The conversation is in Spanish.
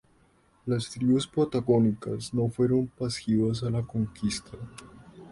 Las tribus patagónicas no fueron pasivas a la conquista.